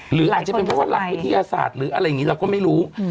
หรืออาจจะเป็นเพราะว่าหลักวิทยาศาสตร์หรืออะไรอย่างนี้เราก็ไม่รู้